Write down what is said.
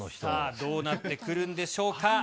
どうなってくるんでしょうか。